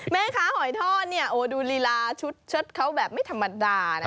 หอยทอดเนี่ยโอ้ดูลีลาชุดเชิดเขาแบบไม่ธรรมดานะ